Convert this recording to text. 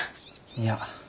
いや。